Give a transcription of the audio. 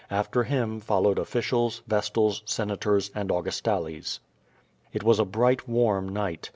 After him followed officials, vestals, senators, and Augustales. It was a bright, warm night.